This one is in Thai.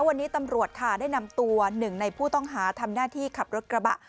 วันนี้ตำรวจค่ะได้นำตัวหนึ่งในผู้ต้องหาทำหน้าที่ขับรถกระบะ